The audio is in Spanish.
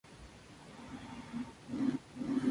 Las flores se agrupan en inflorescencias terminales.